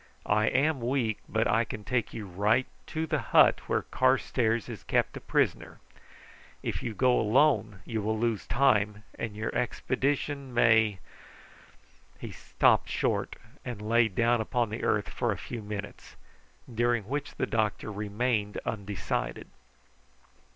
I am weak, but I can take you right to the hut where Carstairs is kept a prisoner. If you go alone you will lose time, and your expedition may " He stopped short and lay down upon the earth for a few minutes, during which the doctor remained undecided.